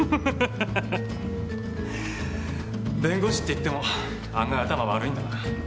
弁護士っていっても案外頭悪いんだな。